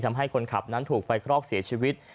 ทำให้คนขับนั้นถูกไฟคลอกเสียชีวิต